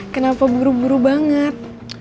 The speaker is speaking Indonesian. kenapa buru buru banget